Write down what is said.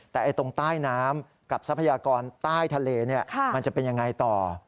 แต่ตรงใต้น้ำกับทรัพยากรใต้ทะเลมันจะเป็นยังไงต่อ